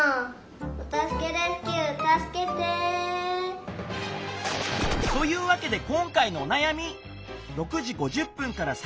お助けレスキューたすけて！というわけで今回のおなやみ！